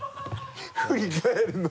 振り返るの。